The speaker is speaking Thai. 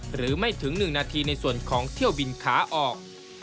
หรือไม่ถึง๑นาทีในส่วนของเที่ยวบินขาออก